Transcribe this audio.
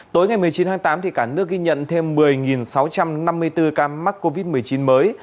tối ngày một mươi chín tháng tám cả nước ghi nhận thêm một mươi sáu trăm năm mươi bốn ca mắc covid một mươi chín mới